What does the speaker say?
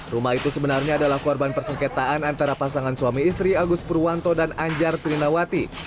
rumah itu sebenarnya adalah korban persengketaan antara pasangan suami istri agus purwanto dan anjar trinawati